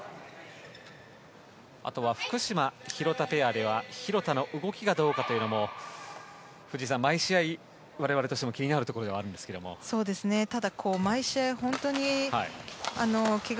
あと福島、廣田ペアでは廣田の動きがどうかというのも藤井さん、毎試合、我々としても気になるところですが。